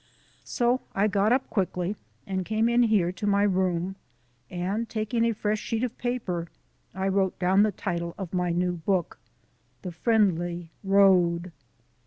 So I got up quickly and came in here to my room, and taking a fresh sheet of paper I wrote down the title of my new book: "The Friendly Road."